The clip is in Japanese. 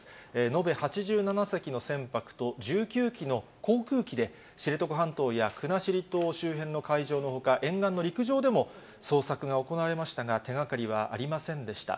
延べ１８７隻の船舶と１９機の航空機で知床半島や国後島周辺の海上のほか、沿岸の陸上でも捜索が行われましたが、手がかりはありませんでした。